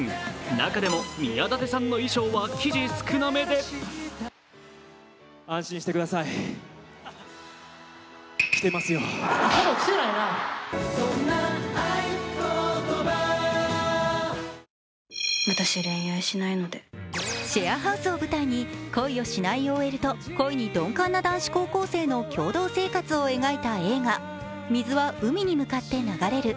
中でも宮舘さんの衣装は生地少なめでシェアハウスを舞台に恋をしないＯＬと恋に鈍感な男子高校生の共同生活を描いた映画「水は海に向かって流れる」。